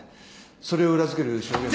それを裏付ける証言も。